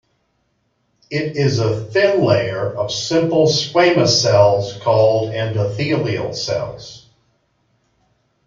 It is a thin layer of simple squamous cells called endothelial cells.